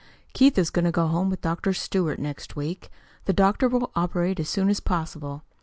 "Keith is to go home with Dr. Stewart next week. The doctor will operate as soon as possible.